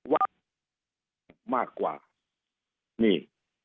ว่ามากกว่านี่